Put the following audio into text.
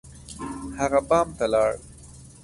هغه بام ته لاړ.